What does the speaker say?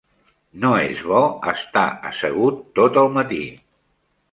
No és bo estar assegut tot el matí.